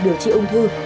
điều trị ung thư